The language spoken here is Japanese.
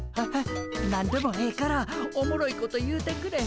何でもええからおもろいこと言うてくれへん？